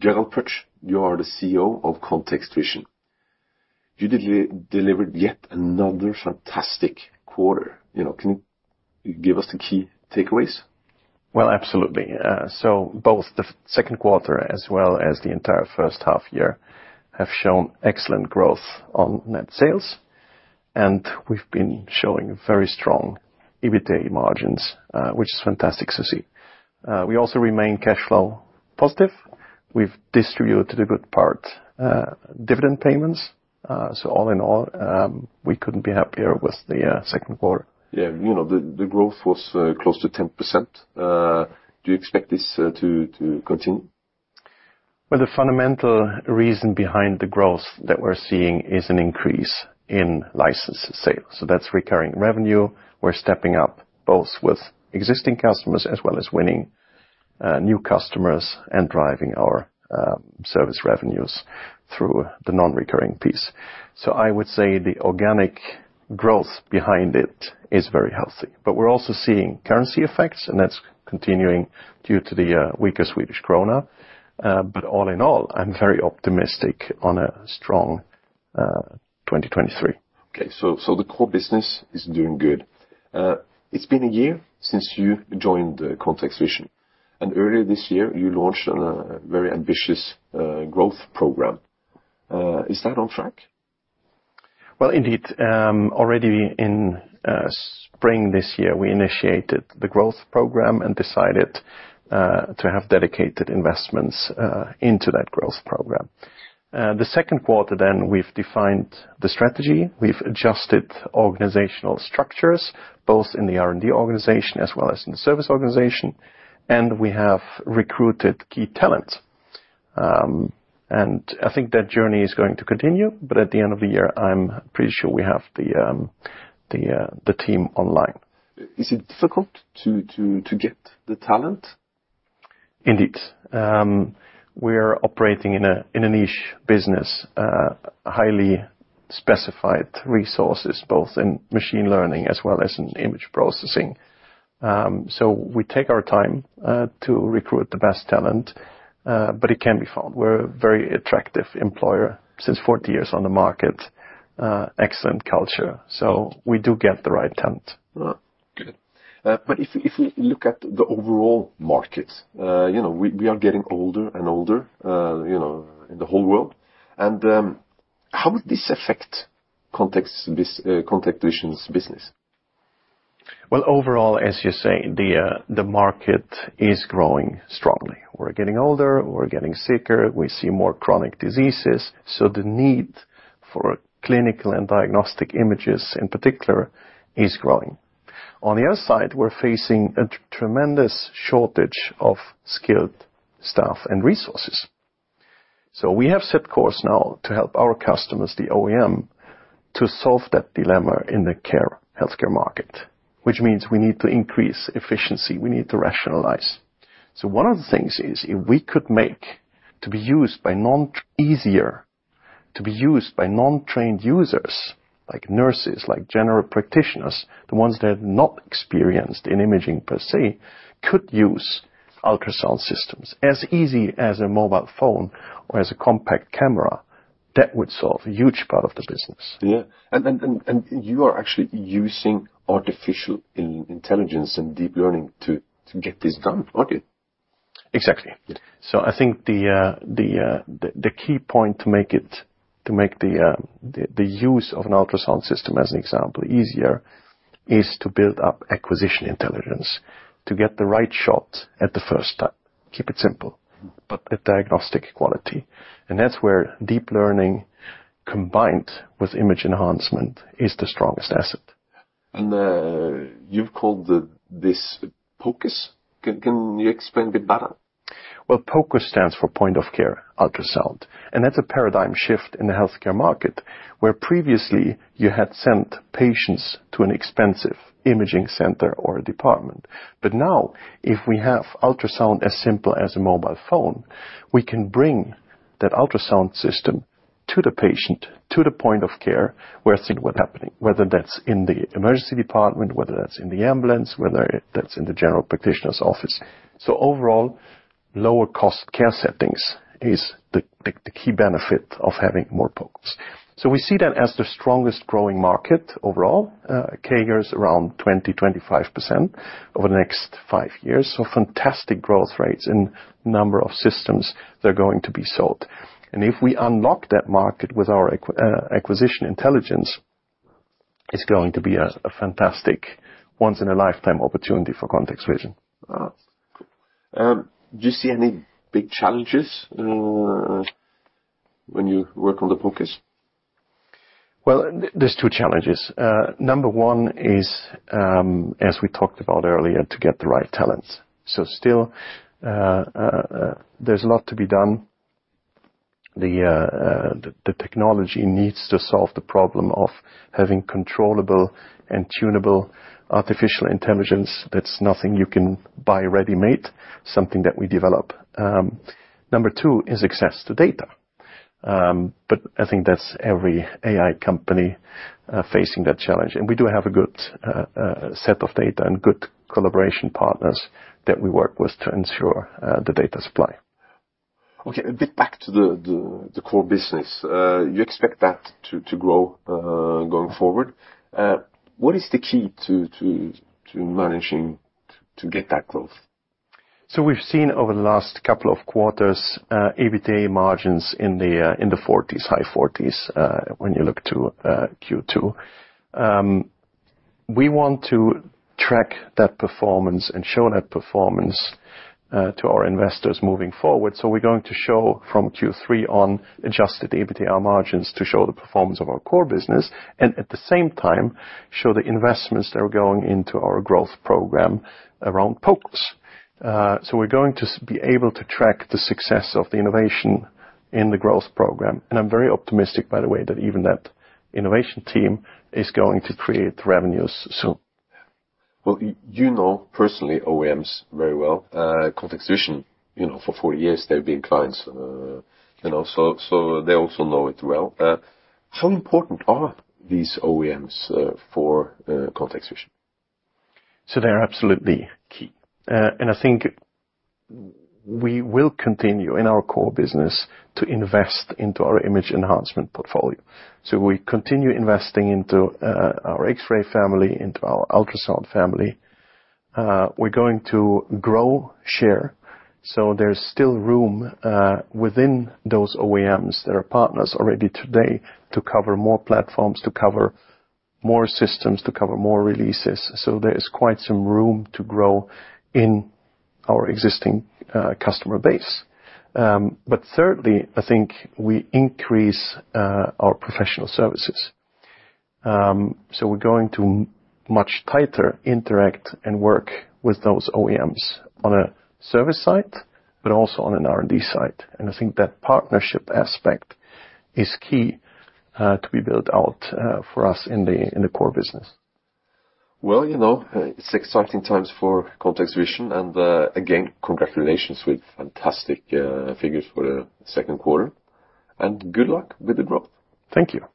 Gerald Pötzsch, you are the CEO of ContextVision. You delivered yet another fantastic quarter, you know. Can you give us the key takeaways? Well, absolutely. So both the second quarter, as well as the entire first half year, have shown excellent growth on net sales, and we've been showing very strong EBITDA margins, which is fantastic to see. We also remain cash flow positive. We've distributed the good part, dividend payments. So all in all, we couldn't be happier with the second quarter. Yeah, you know, the growth was close to 10%. Do you expect this to continue? Well, the fundamental reason behind the growth that we're seeing is an increase in licensed sales, so that's recurring revenue. We're stepping up, both with existing customers as well as winning new customers and driving our service revenues through the non-recurring piece. So I would say the organic growth behind it is very healthy. But we're also seeing currency effects, and that's continuing due to the weaker Swedish krona. But all in all, I'm very optimistic on a strong 2023. Okay, so, so the core business is doing good. It's been a year since you joined the ContextVision, and earlier this year, you launched an, very ambitious, growth program. Is that on track? Well, indeed. Already in spring this year, we initiated the growth program and decided to have dedicated investments into that growth program. The second quarter, then we've defined the strategy. We've adjusted organizational structures, both in the R&D organization as well as in the service organization, and we have recruited key talent. And I think that journey is going to continue, but at the end of the year, I'm pretty sure we have the team online. Is it difficult to get the talent? Indeed. We're operating in a niche business, highly specified resources, both in machine learning as well as in image processing. So we take our time to recruit the best talent, but it can be found. We're a very attractive employer since 40 years on the market, excellent culture. So we do get the right talent. Good. But if we look at the overall market, you know, we are getting older and older, you know, in the whole world. And how would this affect ContextVision's business? Well, overall, as you say, the market is growing strongly. We're getting older, we're getting sicker, we see more chronic diseases, so the need for clinical and diagnostic images, in particular, is growing. On the other side, we're facing a tremendous shortage of skilled staff and resources. So we have set course now to help our customers, the OEM, to solve that dilemma in the healthcare market, which means we need to increase efficiency, we need to rationalize. So one of the things is, if we could make easier to be used by non-trained users, like nurses, like general practitioners, the ones that are not experienced in imaging, per se, could use ultrasound systems as easy as a mobile phone or as a compact camera, that would solve a huge part of the business. Yeah, you are actually using artificial intelligence and deep learning to get this done, aren't you? Exactly. Yeah. So I think the key point to make the use of an ultrasound system, as an example, easier, is to build up acquisition Intelligence, to get the right shot at the first time. Keep it simple- Mm. But a diagnostic quality. That's where deep learning, combined with image enhancement, is the strongest asset. You've called this POCUS. Can you explain a bit better? Well, POCUS stands for Point-of-Care Ultrasound, and that's a paradigm shift in the healthcare market, where previously you had sent patients to an expensive imaging center or a department. But now, if we have ultrasound, as simple as a mobile phone, we can bring that ultrasound system to the patient, to the point of care, where things were happening, whether that's in the emergency department, whether that's in the ambulance, whether that's in the general practitioner's office. So overall, lower cost care settings is the key benefit of having more POCUS. So we see that as the strongest growing market overall, CAGR around 20%-25% over the next five years. So fantastic growth rates in number of systems that are going to be sold. If we unlock that market with our Acquisition Intelligence, it's going to be a fantastic once-in-a-lifetime opportunity for ContextVision. Do you see any big challenges when you work on the POCUS? Well, there's two challenges. Number one is, as we talked about earlier, to get the right talents. So still, there's a lot to be done. The technology needs to solve the problem of having controllable and tunable artificial intelligence. That's nothing you can buy ready-made, something that we develop. Number two is access to data. But I think that's every AI company facing that challenge. And we do have a good set of data and good collaboration partners that we work with to ensure the data supply. Okay, a bit back to the core business. You expect that to grow going forward. What is the key to managing to get that growth? So we've seen over the last couple of quarters, EBITDA margins in the 40s, high 40s, when you look to Q2. We want to track that performance and show that performance to our investors moving forward. So we're going to show from Q3 on adjusted EBITDA margins to show the performance of our core business, and at the same time, show the investments that are going into our growth program around POCUs. So we're going to be able to track the success of the innovation in the growth program. And I'm very optimistic, by the way, that even that innovation team is going to create revenues soon. Well, you know, personally, OEMs very well, ContextVision, you know, for four years, they've been clients, and also, so they also know it well. How important are these OEMs for ContextVision? They're absolutely key. I think we will continue in our core business to invest into our image enhancement portfolio. We continue investing into our X-ray family, into our ultrasound family. We're going to grow share, so there's still room within those OEMs that are partners already today, to cover more platforms, to cover more systems, to cover more releases. There is quite some room to grow in our existing customer base. Thirdly, I think we increase our professional services. We're going to much tighter interact and work with those OEMs on a service side, but also on an R&D side. I think that partnership aspect is key to be built out for us in the core business. Well, you know, it's exciting times for ContextVision, and, again, congratulations with fantastic figures for the second quarter, and good luck with the growth. Thank you.